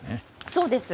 そうです。